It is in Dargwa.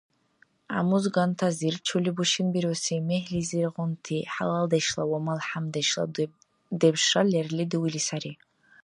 ГӀяммузгантазир, чули бушинбируси мегьлизиргъунти, хӀялалдешла ва малхӀямдешла дебшра лерли дуили сари.